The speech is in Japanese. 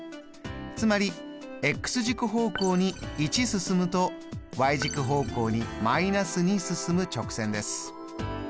つまり軸方向に１進むとｙ軸方向に−２進む直線です。